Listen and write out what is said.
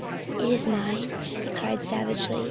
"It is mine!" he cried savagely.